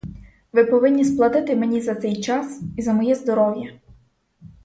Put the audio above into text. Ви повинні сплатити мені за цей час і за моє здоров'я.